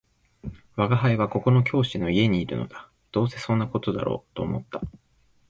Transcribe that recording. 「吾輩はここの教師の家にいるのだ」「どうせそんな事だろうと思った